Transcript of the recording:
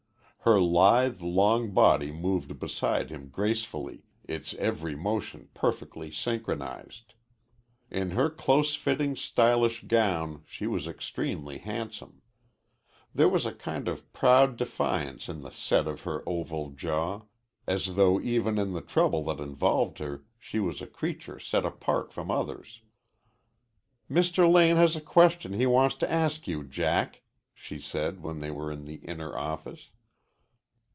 Her lithe, long body moved beside him gracefully, its every motion perfectly synchronized. In her close fitting, stylish gown she was extremely handsome. There was a kind of proud defiance in the set of her oval jaw, as though even in the trouble that involved her she was a creature set apart from others. "Mr. Lane has a question he wants to ask you, Jack," she said when they were in the inner office.